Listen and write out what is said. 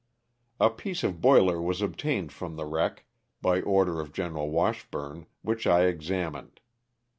"A piece of boiler was obtained from the wreck, by order of General Washburn, which I examined.